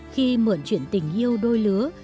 khi mượn chuyển tình yêu đôi lứa